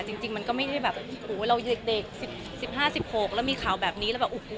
จริงมันก็ไม่ได้แบบหูเรายึดเด็กสิบห้าสิบหกแล้วมีข่าวแบบนี้